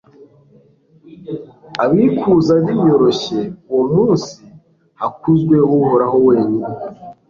abikuza biyoroshye: uwo munsi hakuzwe uhoraho wenyine